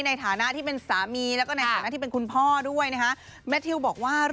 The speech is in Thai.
ในฐานะที่เป็นสามีแล้วก็ในฐานะที่เป็นคุณพ่อด้วยนะคะ